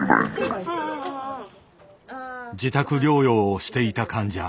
自宅療養をしていた患者。